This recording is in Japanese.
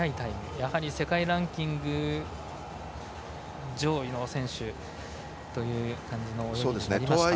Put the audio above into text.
やはり世界ランキング上位の選手という感じの泳ぎになりました。